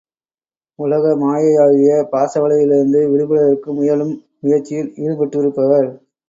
உலக மாயையாகிய பாசவலையிலிருந்து விடுபடுவதற்கு முயலும் முயற்சியில் ஈடுபட்டிருப்பவர்.